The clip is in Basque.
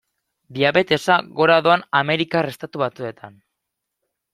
Diabetesa gora doa Amerikar Estatu Batuetan.